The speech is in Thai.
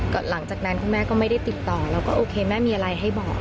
หลังจากนั้นคุณแม่ก็ไม่ได้ติดต่อแล้วก็โอเคแม่มีอะไรให้บอก